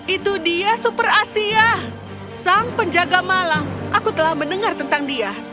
itu dia super asia sang penjaga malam aku telah mendengar tentang dia